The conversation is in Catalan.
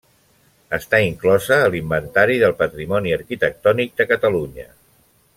Està inclosa a l'Inventari del Patrimoni Arquitectònic de Catalunya.